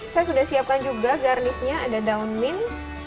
saya sudah siapkan juga garnishnya ada daun mean